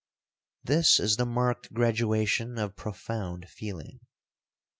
'This is the marked graduation of profound feeling.